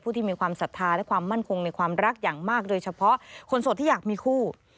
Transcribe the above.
ที่มีความศรัทธาและความมั่นคงในความรักอย่างมากโดยเฉพาะคนโสดที่อยากมีคู่